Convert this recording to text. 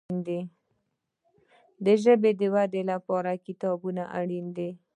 د ژبي د ودي لپاره کتابونه اړین دي.